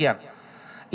hanya satu sentimeter sekian